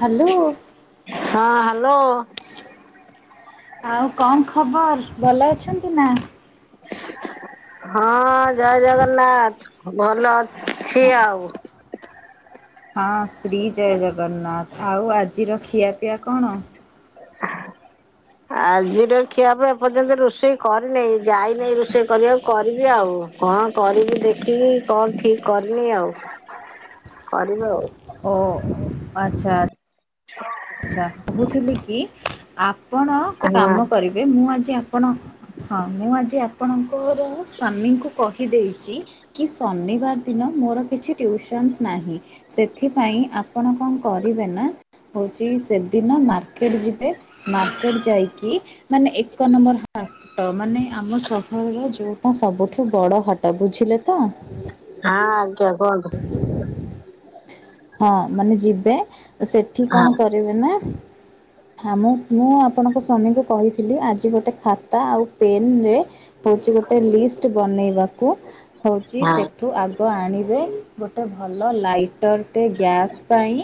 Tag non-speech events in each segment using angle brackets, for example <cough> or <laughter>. Hello ହଁ hello. ଆଉ କଣ ଖବର ଭଲ ଅଛନ୍ତି ନା? ହଁ ଜୟ ଜଗନ୍ନାଥ ଭଲ ଅଛି ଆଉ। ହଁ ଶ୍ରୀ ଜୟ ଜଗନ୍ନାଥ ଆଉ ଆଜିର ଖିଆପିଆ କଣ? <inaudible> ଆଜିର ଖିଆପିଆ ଏପର୍ଯ୍ୟନ୍ତ ରୋଷେଇ କରିନହିଁ ଯାଇନହିଁ ରୋଷେଇ କରିବାକୁ କରିବି ଆଉ। କଣ କରିବି ଦେଖିକି କଣ ଠିକ କରିନି ଆଉ? <inaudible> କରିବ ଆଉ। ଓ ଆଚ୍ଛା। ଆଚ୍ଛା କହୁଥିଲି କି ଆପଣ ଗୋଟେ ହଁ ହଁ କାମ କରିବେ ମୁଁ ଆଜି ଆପଣ ହଁ ମୁଁ ଆଜି ଆପଣଙ୍କର ସ୍ଵାମୀଙ୍କୁ କହିଦେଇଛି କି ଶନିବାର ଦିନ ମୋର କିଛି ଟିୟୁସନ୍ଶ୍ ନାହିଁ। ସେଥିପାଇଁ ଆପଣ କଣ କରିବେ ନା ହଉଛି ସେଦିନ ମାର୍କେଟ ଯିବେ। ମାର୍କେଟ ଯାଇକି ମାନେ ଏକ ନମ୍ବର ଟ ମାନେ ଆମ ସହରର ଯେଉଁଟା ସବୁଠୁ ବଡ଼ ହଟ ବୁଝିଲେ ତ। ହାଁ ଆଜ୍ଞା କୁହନ୍ତୁ। ହଁ ମାନେ ଯିବେ ସେଠି ହଁ କଣ କରିବେ ନା ହଁ ମୁଁ ମୁଁ ଆପଣଙ୍କ ସ୍ୱାମୀଙ୍କୁ କହିଥିଲି ଆଜି ଗୋଟେ ଖାତା ଆଉ ପେନରେ ହଉଛି ଗୋଟେ ଲିଷ୍ଟ ବନେଇବାକୁ ହଉଛି ହଁ ସେ ଠୁ ଆଗ ଆଣିବେ ଗୋଟେ ଭଲ ଲାଇଟରଟେ ଗ୍ୟାସ୍ ପାଇଁ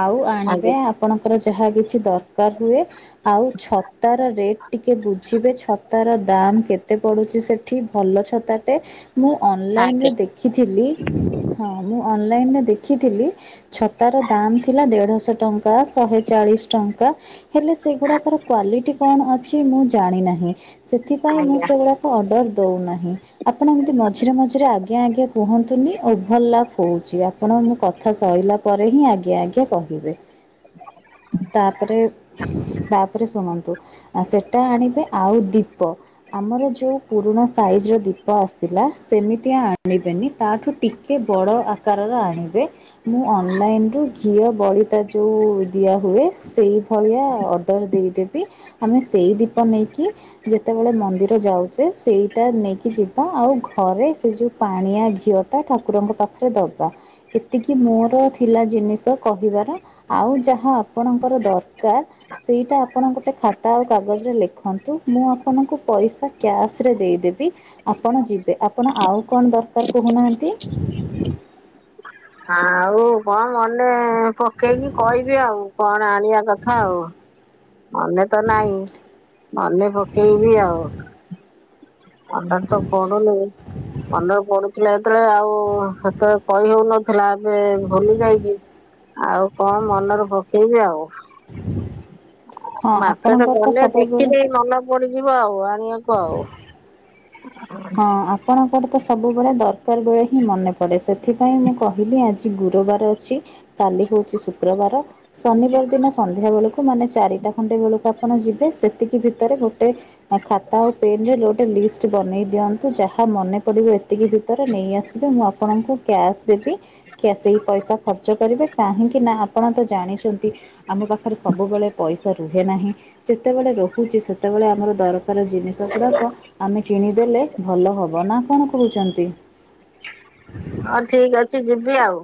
ଆଉ ରେ ଆଜ୍ଞା। ଆପଣଙ୍କର ଯାହା କିଛି ଦରକାର ହୁଏ ଆଉ ଛତାର ରେଟ୍ ଟିକେ ବୁଝିବେ ଛତାର ଦାମ୍ କେତେ? କେତେ ପଡୁଛି ସେଠି ଭଲ ଛତାଟେ ମୁଁ ଅନଲାଇନ୍ ରେ ଆଜ୍ଞା ଦେଖ ଦେଖିଥିଲି ହଁ ମୁଁ ଅନଲାଇନରେ ଦେଖିଥିଲି। ଛତାର ଦାମ୍ ଥିଲା ଦେଢ଼ଶହ ଟ ଶହେ ଚାଳିଶ ଟଙ୍କା ହେଲେ ସେ ଗୁଡ଼ା କର କ୍ୱାଲିଟି କଣ ଅଛି ମୁଁ ଜାଣି ଜାଣିନାହିଁ ସେଥିପାଇଁ ମୁଁ ଆଜ୍ଞା। ସେଗୁଡାକ ଅର୍ଡ଼ର ଦଉନାହିଁ ଆପଣ ଏମିତି ମଝିରେ ମଝିରେ ଆଦ୍ ଆଜ୍ଞା ଆଜ୍ଞା କୁହନ୍ତୁନି ଓଭର ଲାପ୍ ହେଉଛି ଆପଣ ମୁଁ କଥା ସଇଲା ପ୍ ପରେ ହିଁ ଆଜ୍ଞା ଆଜ୍ଞା କହିବେ। <inaudible> ତାପରେ ତାପରେ ଶୁଣନ୍ତୁ ସେଟା ଆଣିବେ ଆଉ ଦୀପ ଆମର ଯୋଉ ପୁରୁଣା ସାଇଜର ଦୀପ ଆସିଥିଲା ସେମିତିଆ ଆଣିବେନି ତାଠୁ ଟିକେ ବଡ଼ ଆକାରର ଆଣିବେ ମୁଁ ଅନଲାଇନ୍ ରୁ ଘିଅ ବଳି ତା ଯୋଉ ଦିଆହୁଏ ସେଇଭଳିଆ ଅର୍ଡ଼ର ଦେଇଦେବି। ଆମେ ସେଇ ଦୀପ ନେଇକି ଯେତେବେଳେ ମନ୍ଦିର ଯାଉଛେ ସେଇଟା ନେଇକି ଯିବା ଆଉ ଘରେ ସେ ଯୋଉ ପାଣିଆ ଘିଅ ତା ଠାକୁରଙ୍କ ପାଖରେ ଦବା ଏତିକି ମୋର ଥିଲା ଜିନିଷ କହିବାର। ଆଉ ଯାହା ଆପଣଙ୍କର ଦରକାର ସେଇଟା ଆପଣ ଗୋଟେ ଖାତା ଆଉ କାଗଜରେ ଲେଖନ୍ତୁ ମୁଁ ଆପଣଙ୍କୁ ପଇସା କ୍ୟାସ୍ ରେ ଦେଇଦେବି। ଆପଣ ଯିବେ ଆପଣ ଆଉ କଣ ଦରକାର କହୁ ନାହାନ୍ତି? ଆଉ କଣ ମନେ ପକେଇକି କହିବି ଆଉ କଣ ଆଣିବା କଥା ଆଉ। ମନେ ତ ନାହିଁ ମନେ ପକେଇବି ଆଉ। ମନରେ ତ ପଡୁନି ମନ ରେ ପଡୁଥିଲେ ସେତେବେଳେ ଆଉ ସେତେବେଳେ କହି ହଉନଥିଲା ଏବେ ଭୁଲି ଯାଇକି ଆଉ କଣ ମନରୁ ପକେଇବି ଆଉ ହଁ ମାର୍କେଟ ଆପଣଙ୍କର ତ ଗଲେ ସବୁବେଳେ ଦେଖିଲେ ନନବ ପଡିଯିବ ଆଉ ଆଣିବାକୁ ଆଉ। ହଁ, ଆପଣଙ୍କର ତ ସବୁବେଳେ ଦରକାର ବେଳେ ହିଁ ମନେ ପଡେ ସେଥିପାଇଁ ମୁଁ କହିଲି ଆଜି ଗୁରୁବାର ଅଛି। କାଲି ହଉଛି ଶୁକ୍ରବାର, ଶନିବାର ଦିନ ସନ୍ଧ୍ୟା ବେଳକୁ ମାନେ ଚାରି ଟା ଖଣ୍ଡେ ବେଳକୁ ଆପଣ ଯିବେ ସେତିକି ଭିତରେ ଗୋଟେ ଖାତା ଆଉ ପେନ୍ ରେ ଗୋଟେ ଲିଷ୍ଟ ବନେଇ ଦିଅନ୍ତୁ ଯାହା ମନେ ପଡିବ ଏତ୍ ଏତିକି ଭିତରେ ନେଇଆସିବେ ମୁଁ ଆପଣଙ୍କୁ କ୍ୟାସ୍ ଦେବି କ୍ୟା ସେଇ ପଇସା ଖର୍ଚ୍ଚ କରିବେ କାହିଁକି ନା ଆପଣ ତ ଜାଣିଛନ୍ତି ଆମ ପାଖରେ ସବୁବେଳେ ପଇସା ରୁହେ ନାହିଁ ଯେତେବେଳେ ରହୁଛି ସେତେବେଳେ ଆମର ଦର କାର ଜିନିଷ ଗୁଡ଼ାକ ଆମେ କିଣିଦେଲେ ଭଲ ହବ ନା କଣ କହୁଛନ୍ତି? ହଁ, ଠିକ ଅଛି ଯିବି ଆଉ।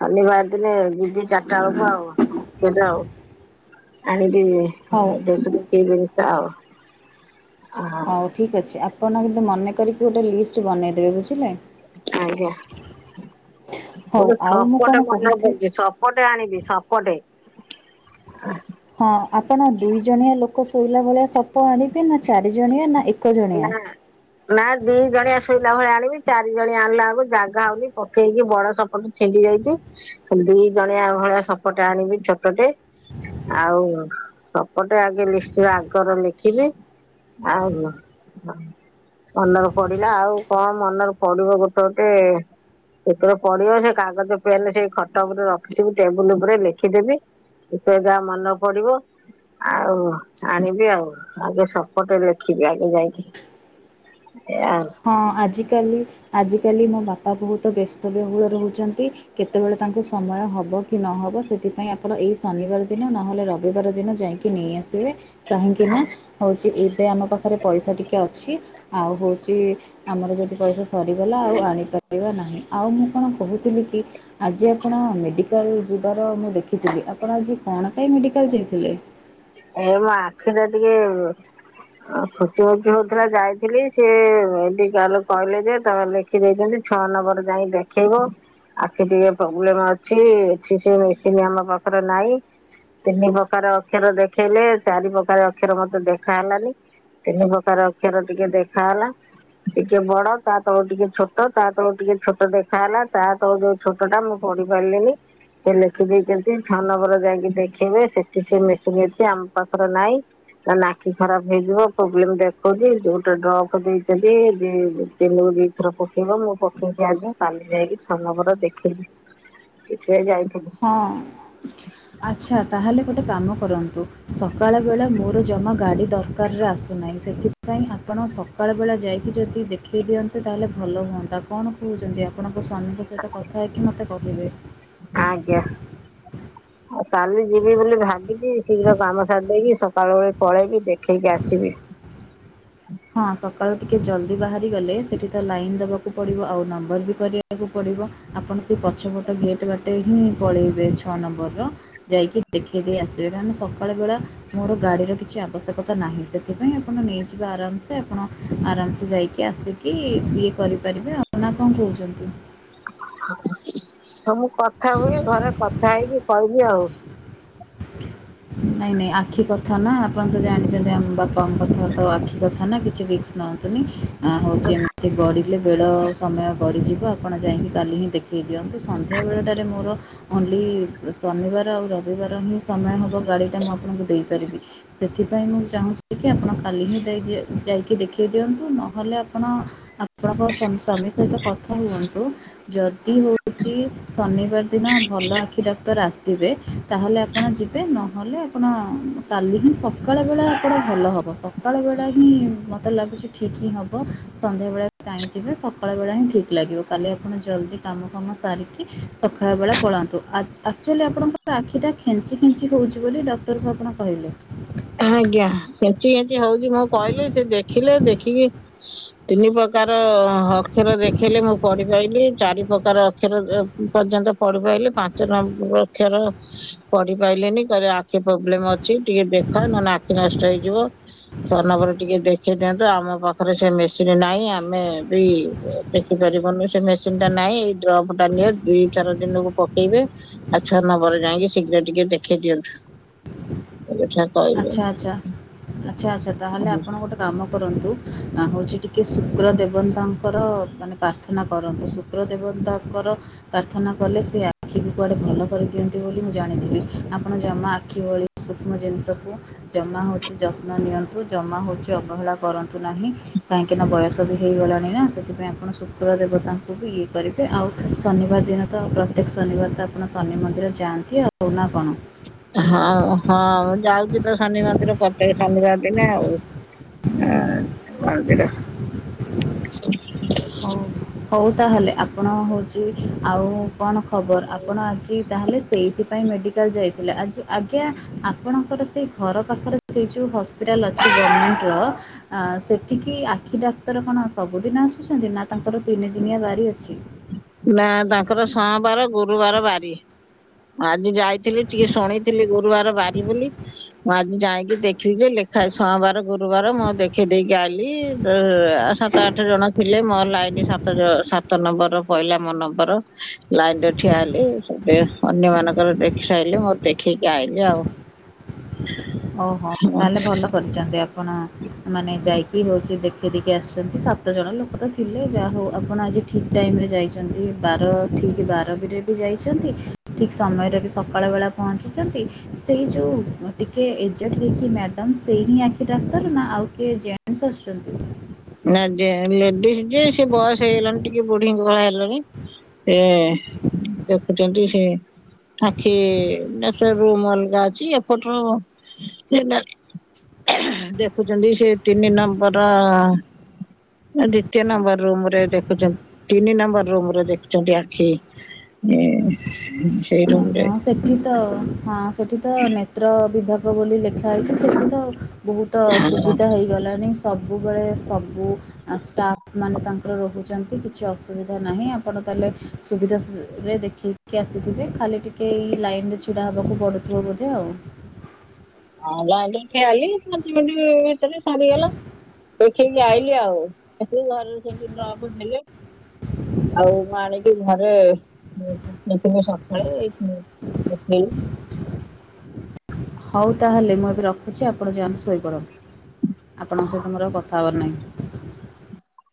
ଶନିବାର ଦିନେ ଯିବି ଚାରିଟା ବେଳକୁ ଆଉ କେବେ ଆଉ। ଆଣିବି ହଉ ଦେବୀ ଗୋଟେଇ ଜିନିଷ ଆଉ। ହଁ ହଉ ଠିକ୍ ଅଛି ଆପଣ କିନ୍ତୁ ମନେ କରିକି ଗୋଟେ ଲିଷ୍ଟ ବନେଇଦେବେ ବୁଝିଲେ? ଆଜ୍ଞା ହଉ ଗୋଟେ ଆଉ ମୁଁ କ'ଣ ସପଟେ ମନରେ କହୁଥି ପଡୁଛି ସପ୍ ସପଟେ ଆଣିବି ସପଟେ। ହଁ, ଆପଣ ଦୁଇ ଜଣିଆ ଲୋକ ଶୋଇଲା ଭଳିଆ ସପ ଆଣିବେ ନା ଚାରି ଜଣିଆ ନା ଏକ୍ ନା। ନା ଦି ଜଣିଆ ଶୋଇଲା ଭଳିଆ ଆଣିବି ଚାରି ଜଣିଆ ଆଣିଲା ବେଳକୁ ଜାଗା ହଉନି ପକେଇକି ବଡ ସପ୍ ଗୋଟେ ଛିଣ୍ଡି ଯାଇଛି ଦି ଜଣିଆ ଭଳିଆ ସପଟେ ଆଣିବି ଛୋଟଟେ। ଆଉ ସପଟେ ଆଗେ ଲିଷ୍ଟର ଆଗର ଲେଖିବେ। ଆଉ ହଁ। ମନରେ ପଡ଼ିଲା ଆଉ କଣ ମନର ପଡ଼ିବ ଗୋଟେ ଗୋଟେ ଯେତେବେଳେ ପଡ଼ିବ କାଗଜ ପେନରେ ଖଟ ଉପରେ ରଖିଛି ଟେବୁଲ୍ ଉପରେ ଲେଖିଦେବି। ଯେତେବେଳେ ଯାହା ମନେ ପଡ଼ିବ ଆଉ ଆଣିବି ଆଉ ଆଗେ ସପଟେ ଲେଖିବି ଆଗେ ଯାଇକି ଏଆ ଆଉ ହଁ ଆଜିକାଲି ଆଜିକାଲି ମୋ ବାପା ବହୁତ ବ୍ୟସ୍ତବହୁଳ ରହୁଚନ୍ତି। କେତେବେଳେ ତାଙ୍କୁ ସମୟ ହବ କି ନହବ ସେଥିପାଇଁ ଆପଣ ଏଇ ଶନିବାର ଦିନ ନହେଲେ ରବିବାର ଦିନ ଯାଇକି ନେଇ ଆସିବେ କାହିଁକି ନା ହଉଛି ଏବେ ଆମ ପାଖରେ ପଇସା ଟିକେ ଅଛି। ଆଉ ହଉ ଚି ଆମର ଯଦି ପଇସା ସରିଗଲା ଆଉ ଆଣିପାରିବା ନାହିଁ। ଆଉ ମୁଁ କଣ କହୁଥିଲି କି ଆଜି ଆପଣ ମେଡ଼ିକାଲ ଯିବାର ମୁଁ ଦେଖିଥିଲି, ଆପଣ ଆଜି କଣ ପାଇଁ ମେଡ଼ିକାଲ ଯାଇଥିଲେ? ଏ ମୋ ଆଖିଟା ଟିକେ ଖୁଞ୍ଚି ଖଞ୍ଚି ହଉଥିଲା ଯାଇଥିଲି, ସିଏ ମେଡିକାଲ କହିଲେ ଯେ ତମେ ଲେଖ ଲେଖି ଦେଇଛନ୍ତି ଛଅ ନମ୍ବର ଯାଇଁ ଦେଖେଇବ। ଆଖି ଟିକେ ପ୍ରୋବ୍ଲେମ ଅଛି। ଏଠି ସେଇ ମେସିନ ଆମ ପାଖରେ ନାହିଁ। ତିନି ପ୍ରକାର ଅକ୍ଷର ଦେଖେଇଲେ, ଚାରି ପ୍ରକାର ଅକ୍ଷର ମତେ ଦେଖା ହେଲାନି। ତିନି ପ୍ରକାର ଅକ୍ଷର ଟିକେ ଦେଖା ହେଲା। ଟିକେ ବଡ ତା ତଳ ଟିକେ ଛୋଟ ତା ତଳ ଟିକେ ଛୋଟ ଦେଖାହେଲା ତା ତଳ ଯୋଉ ଛୋଟଟା ମୁଁ ପଢ଼ି ପାରିଲିନି। ସେ ଲେଖିଦେଇଛନ୍ତି ଛଅ ନମ୍ବର ଯାଇକି ଦେଖିଇବେ ସେଠି ସେ ମେସିନ ସେ ଆମ ପାଖରେ ନାଇଁ। କହିଲେ ଆଖି ଖରାପ ହେଇଯିବ ପ୍ରୋବ୍ଲେମ ଦେଖଉଛି ଗୋଟେ ଡ୍ରପ ଦେଇଛନ୍ତି ଦି ଦିନକୁ ଦି ଟ୍ରପ ପକେଇବ ମୁଁ ପକେଇଛିି ଆଜି କାଲି ଯାଇକି ଛଅ ନମ୍ବର ଦେଖେଇବି ଏବେ ଯାଇଥିଲି ହଁ ଆଚ୍ଛା ତାହେଲେ ଗୋଟେ କାମ କରନ୍ତୁ ସକାଳ ବଳେ ମୋର ଜମା ଗାଡ଼ି ଦର ଦରକାରରେ ଆସୁନାହିଁ ସେଥିପାଇଁ ଆପଣ ସକାଳ ବେଳା ଯାଇକି ଯଦି ଦେଖେଇ ଦିଅନ୍ତେ ତାହେଲେ ଭଲ ହୁଅନ୍ତା। କଣ କହୁଛନ୍ତି ଆପଣଙ୍କ ସ୍ୱାମୀଙ୍କ ସହିତ କଥା ହେଇକି ମୋତେ କହିବେ। ଆଜ୍ଞା ଆଉ କାଲି ଯିବି ବୋଲି ଭାବିଛିି ଶୀଘ୍ର କାମ ସାରେଦଇକି ସକାଳ ବେଳି ପଳେଇବି ଦେଖେଇକି ଆସିବି‌। ହଁ ସକାଳୁ ଟିକେ ଜଲ୍ଦି ବାହାରିଗଲେ ସେଠି ତ ଲାଇନ ଦେବାକୁ ପଡ଼ିବ ଆଉ ନମ୍ବର ବି କରିବାକୁ ପଡ଼ିବ। ଆପଣ ସେ ପଛପଟ ଗେଟ ବାଟେ ହିଁ ପଳେଇବେ ଛଅ ନମ୍ୱର ର। ଯାଇକି ଦେଖେଇ ଦେଇ ଆସିବେ କାହିଁକି ନା ସକାଳ ବେଳା ମୋର ଗାଡିର କିଛି ଆବଶ୍ୟକତା ନାହିଁ ସେଥିପାଇଁ ଆପଣ ନେଇଯିବେ ଆରାମସେ ସେ ଆପଣ ଆରାମସେ ଯାଇକି ଆସିକି ଇଏ କରିପାରିବେ ଆପଣ କଣ କହୁଛନ୍ତି। ହଁ ମୁଁ କଥା ହୁଏ ଘରେ କଥା ହେଇକି କହିବି ଆଉ। ନାଇଁ ନାଇଁ ଆଖି କଥା ନା ଆପଣ ତ ଜାଣିଚନ୍ତି ଆମ ବାପ କଣ କଥା ତ ଆଉ ଆଖି କଥା ନା କିଛି ରିକ୍ସ ନିଅନ୍ତୁ ନି ଅ ହେଉଛି ଏମିତି ଗଡ଼ିଲେ ବେଳ ସମୟ ଗଡ଼ିଯିବ ଆପଣ ଯାଇକି କାଲି ହିଁ ଦେଖେ ଦେଖେଇ ଦିଅନ୍ତୁ ସନ୍ଧ୍ୟାବେଳଟାରେ ମୋର ଓନ୍ଲି ଶନିବାର ଆଉ ରବିବାର ହିଁ ସମୟ ଗାଡି ଟା ମୁଁ ଆପଣଙ୍କୁ ଦେଇପାରିବି। ସେଥିପାଇଁ ମୁଁ ଚାହୁଁଛି କି ଆପଣ କାଲି ହିଁ ଯାଇ ଯାଇକି ଦେଖେଇ ଦିଅନ୍ତୁ। ନହେଲେ ଆପଣ ଆପଣଙ୍କ ସମ- ସ୍ବାମୀ ସହିତ କଥା ହୁଅନ୍ତୁ। ଯଦି ହଉଛି ଶନିବାର ଦିନ ଭଲ ଆଖି ଡାକ୍ତର ଆସିବେ ତାହେଲେ ଆପଣ ଯିବେ ନ ନହେଲେ ଆପଣ କାଲି ହିଁ ସକାଳ ବେଳା ଆପଣ ଭଲ ହବ ସକାଳ ବେଳା ହିଁ ମୋତେ ଲାଗୁଚି ଠିକ୍ ହିଁ ହବ। ସନ୍ଧ୍ୟାବେଳେ କାଇଁ ଯିବେ ସକାଳ ବେଳା ହିଁ ଠିକ୍ ଲାଗିବ କାଲି ଆପଣ ଜଲ୍ଦି କାମ ଫାମ ସାରିକି ସକାଳ ବେଳା ପଳାନ୍ତୁ ଆକ-ଆକଚୁଆଲି ଆପଣଙ୍କର ଆଖିଟା ଖେଞ୍ଚି ଖେଞ୍ଚି ହଉଚି ବୋଲି ଡକ୍ଟରଙ୍କୁ ଆପଣ କହିଲେ। ଆଜ୍ଞା କେଞ୍ଚି କେଞ୍ଚି ହଉଛି ମୁଁ କହିଲି ସେ ଦେଖିଲେ ଦେଖିକି ତିନି ପ୍ରକାର ହକ୍ଷର ଦେଖେଇଲେ ମୁଁ ପଢିପାଇଲିି। ଚାରି ପ୍ରକାର ଅକ୍ଷର ଏ ପର୍ଯ୍ୟନ୍ତ ପଢିପାଇଲି ପାଞ୍ଚ ନମ୍ବର ଅକ୍ଷର ପଢି ପାଇଲିନି କହିଲେ ଆଖି ପ୍ରୋବ୍ଲେମ ଅଛି ଟିକେ ଦେଖାଅ ନହେଲେ ଆଖି ନଷ୍ଟ ହେଇଯିବ। ଛଅ ନମ୍ବର ରେ ଟିକେ ଦେଖେଇ ଦିଅନ୍ତୁ ଆମ ପାଖରେ ସେ ମେସିନ୍ ନାହିଁ ଆମେ ବି ଦେଖିପାରିବନି ସେ ମେସିନ ଟା ନାହିଁ ଏଇ ଡ୍ରପ ଟିନ ଇଟା ନିଅ ଦୁଇ ଥର ଦିନକୁ ପକେଇବେ ଆଉ ଛଅ ନମ୍ବର ଯାଇକି ଶୀଘ୍ର ଟିକେ ଦେଖେଇ ଦିଅନ୍ତୁ। ଆଚ୍ଛା କହିଲେ ଆଚ୍ଛା ଆଚ୍ଛା ଆଚ୍ଛା ତାହେଲେ ଆପଣ ଗୋଟେ କାମ କରନ୍ତୁ ଅ ହଉଚି ଟିକେ ଶୁକ୍ର ଦେବନ୍ତାଙ୍କର ମାନେ ପ୍ରାର୍ଥନା କରନ୍ତୁ ଶୁକ୍ର ଦେବତାଙ୍କର ପ୍ରାର୍ଥନା କଲେ ସେ ଆଖିକୁ କୁଆଡେ ଭଲ କରିଦିଅନ୍ତି ବୋଲି ମୁଁ ଜାଣିଥିଲି। ଆପଣ ଜମା ଆଖି ଭଳି ସୂକ୍ଷ୍ମ ଜିନିଷକୁ ଜମା ହଉଛି ଯତ୍ନ ନିଅ ନ୍ତୁ ଜମା ହଉଛି ଅବହେଳା କରନ୍ତୁ ନାହିଁ। କାହିଁକିନା ବୟସ ବି ହେଇଗଲାଣି ନା ସେଥିପାଇଁ ଆପଣ ଶୁକ୍ର ଦେବତାଙ୍କୁ ବି ଇଏ କରି ଆଉ ଶନିବାର ଦିନ ତ ପ୍ରତ୍ୟେକ ଶନିବାର ତ ଆପଣ ଶନି ମନ୍ଦିର ଯାଆନ୍ତି ଆଉ ନା କଣ? ହଁ ହଁ ମୁଁ ଯାଉଚି ତ ଶନି ମନ୍ଦିର ପ୍ରତ୍ୟେକ ଶନିବାର ଦିନେ ଆଉ। ହଁ <unintelligible> ହଉ! ହଉ ତାହେଲେ ଆପଣ ହଉଛି ଆଉ କଣ? ଖବର ଆପଣ ଆଜି ତାହେଲେ ସେଇଥିପାଇଁ ମେଡି ମେଡିକାଲ ଯାଇଥିଲେ। ଆଜି ଆଜ୍ଞା ଆପଣଙ୍କର ସେଇ ଘର ପାଖରେ ସେଇ ଯୋଉ ହସ୍ପି ହସ୍ପିଟାଲ ଅଛି ଗମେଣ୍ଟର ସେଠିକି ଆଖି ଡାକ୍ତର କଣ ସବୁଦିନ ଆସୁ ଚନ୍ତି ନା ତାଙ୍କର ତିନି ଦିନିଆ ବାରି ଅଛି। ନା ତାଙ୍କର ସୋମବାର, ଗୁରୁବାର ବାରି। ଆଜି ଯାଇ ଥିଲି ଟିକେ ଶୁଣିଥିଲି ଗୁରୁବାର ବାରି ବୋଲି ମୁଁ ଆ ମୁଁ ଯାଇକି ଦେଖିଲି ଯେ ଲେଖା ସୋମବାର, ଗୁରୁବାର ମୁଁ ଦେଖିଦେଇକି ଆଇଲି <unintelligible> ସାତ ଆଠ ଜଣ ଥିଲେ। ମୋର ଲାଇନ ସାତ ଜ ସାତ ନମ୍ବର ପାଇଲା ମୋ ନମ୍ବର। ଲାଇନ ରେ ଠିଆ ହେଲି ସେ ଅନ୍ୟ ମାନଙ୍କର ଦେଖିସାରିଲେ ମୋର ଦେଖେଇକି ଆଇଲି ଆଉ। ଓହୋ ତାହେଲେ ଭଲ କରିଚନ୍ତି ଆପଣ। ମାନେ ଯାଇକି ହଉଛି ଦେଖେଇଦେଇକି ଆସିଛନ୍ତି ସାତ ଜଣ ଲୋକ ତ ଥିଲେ ଯାହା ହଉ ଆପଣ ଆଜି ଠିକ୍ ଟାଇମ୍ ରେ ଯାଇଛନ୍ତି ବାର ଠିକ୍ ବାର ବି ରେ ବି ଯାଇଛନ୍ତି। ଠିକ ସମୟରେ ବି ସକାଳ ବେଳା ପହଞ୍ଚିଛନ୍ତି। ସେଇ ଯୋଉ ଅ ଟି କିଏ ଏଜେଟ୍ ହେଇକି ମ୍ୟାଡ଼ମ୍ ସେଇ ହିଁ ଆଖି ଡାକ୍ତର ନା ଆଉ କିଏ ଜେଣ୍ଟସ୍ ଆସୁଛନ୍ତି? ନା ଯେ ଲେଡ଼ିସ୍ ଯିଏ ସେ ବୟସ ହେଇଗଲାଣି ଟିକେ ବୁଢୀଙ୍କ ଭଳିଆ ହେଲେଣି। ସେ ଦେଖୁଛନ୍ତି ସେ ଆଖି ଡ଼କ୍ଟର ରୁମ ଅଲଗା। <unintelligible> ଅଛି ଏପଟରୁ ଜେନାଲ ଦେଖୁଚନ୍ତି ସେ ତିନି ନମ୍ବର ର ଦ୍ଵିତୀୟ ନମ୍ବର ରୁମ ରେ ଦେଖୁଚନ୍ତି ତିନି ନମ୍ବର ରୁମରେ ଦେଖୁଚନ୍ତି ଆଖି। <unintelligible> ରେ ହଁ ସେଠି ତ ହଁ ସେଠି ତ ନେତ୍ର ବିଭାଗ ବୋଲି ଲେଖା ହେଇଛି। ସେଇଠି ତ ବହୁତ ସୁୁବିଧା ହେଇଗଲାଣି ସବୁବେଳେ ସବୁ ଷ୍ଟାଫ ମାନେ ତାଙ୍କର ରହୁ ଛନ୍ତି କିଛି ଅସୁବିଧା ନାହିଁ ଆପଣ ତାହେଲେ ସୁବିଧାରେ ଦେଖିକି ଆସିଥିବେ। ଖାଲି ଟିକେ ଏଇ ଲାଇନ ରେ ଛିଡା ହବାକୁ ପଡୁଥିବ ବୋଧେ ଆଉ। ହଁ! ଲାଇନେ ଠିଆହେଲି। ପାଞ୍ଚ ମିନଟ ଭିତରେ ସରିଗଲା। ଦେଖିକି ଆଇଲି ଆଉ ଘ ସେଦିନ ଲଭ ହେଲେ <inaudible> ଆଉ ମୁଁ ଆଣିକି ଘରେନଥିବେ ସକାଳେ ଏଇ <inaudible> ହଉ ତାହେଲେ ମୁଁ ଏବେ ରଖ ରଖୁଛି। ଆପଣ ଯାଆନ୍ତୁ ଶୋଇପଡ଼ନ୍ତୁ। ଆପଣଙ୍କ ସହିତ ମୋର ଆଉ କଥା ହେବାର ନାହିଁ।